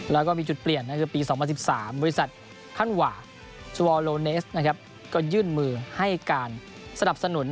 แล้วก็มีจุดเปลี่ยนปี๒๐๑๓บริษัทคันวาสวรรลโลเนสก็ยื่นมือให้การสนับสนุน